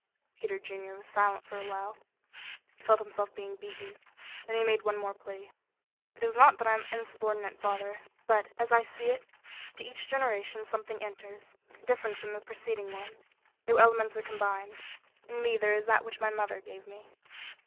Peter Junior was silent for a while; he felt himself being beaten. Then he made one more plea. "It is not that I am insubordinate father, but, as I see it, into each generation something enters, different from the preceding one. New elements are combined. In me there is that which my mother gave me."